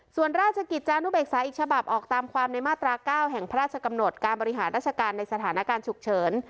ส่วนราชกิจจานุเบกษาอีกฉบับออกตามความในมาตรา๙แห่งพระราชกำหนดการบริหารราชการในสถานการณ์ฉุกเฉิน